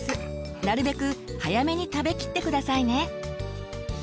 なるべく早めに食べきって下さいね。